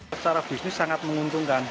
secara bisnis sangat menguntungkan